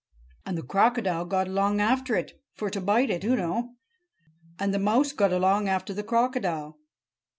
And the crocodile got along after it—for to bite it, oo know. And the mouse got along after the crocodile."